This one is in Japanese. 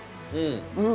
うん。